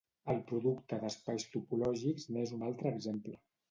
El producte d'espais topològics n'és un altre exemple.